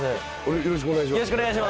よろしくお願いします。